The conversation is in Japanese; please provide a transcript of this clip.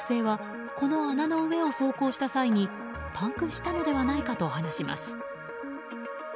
女性はこの穴の上を走行した際にパンクしたのではないかと話します。